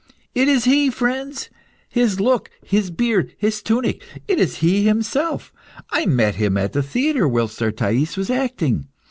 "It is he, friends! His look, his beard, his tunic it is he himself! I met him at the theatre whilst our Thais was acting.